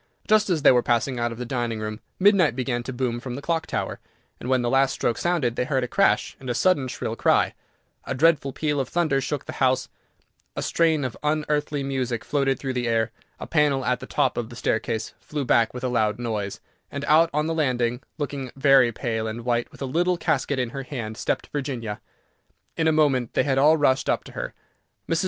Just as they were passing out of the dining room, midnight began to boom from the clock tower, and when the last stroke sounded they heard a crash and a sudden shrill cry; a dreadful peal of thunder shook the house, a strain of unearthly music floated through the air, a panel at the top of the staircase flew back with a loud noise, and out on the landing, looking very pale and white, with a little casket in her hand, stepped Virginia. In a moment they had all rushed up to her. Mrs.